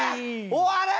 終われ！